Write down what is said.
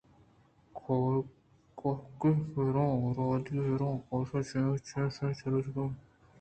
کاہُکے بُہ ور راہُکے بُہ رئو کاش ءُ شِیشُم شِیشُمیں درٛچکے کورے ءِ کش ءَ رُستگ اَت